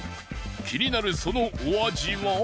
気になるそのお味は？